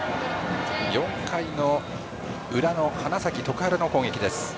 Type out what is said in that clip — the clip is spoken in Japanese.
４回の裏の花咲徳栄の攻撃です。